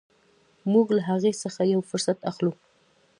موږ له هغه څخه یو فرصت اخلو.